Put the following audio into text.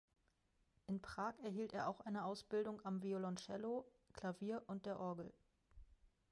In Prag erhielt er auch eine Ausbildung am Violoncello, Klavier und der Orgel.